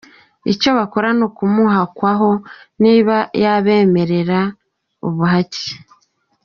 Icyo bakora ni ukumuhakwaho, niba yabemerera ubuhake.